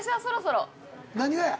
何がや？